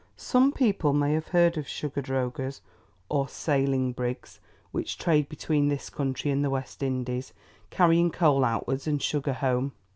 Some people may have heard of sugar drogers, or sailing brigs, which trade between this country and the West Indies, carrying coal outwards and sugar home.